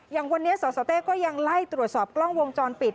อย่างวันนี้สสเต้ก็ยังไล่ตรวจสอบกล้องวงจรปิด